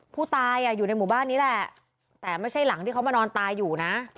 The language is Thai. ผู้ตายอยู่ในหมู่บ้านนี้แหละแต่ไม่ใช่หลังที่เขามานอนตายอยู่นะ